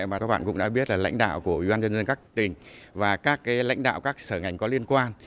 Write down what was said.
mà các bạn cũng đã biết là lãnh đạo của ủy ban nhân dân các tỉnh và các lãnh đạo các sở ngành có liên quan